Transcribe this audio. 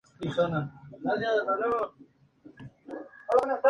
Se sirve en copas "hot drink", decorando con canela.